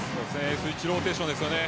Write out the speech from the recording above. Ｓ１ローテーションですよね。